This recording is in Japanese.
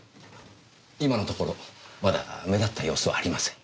今のところまだ目立った様子はありません。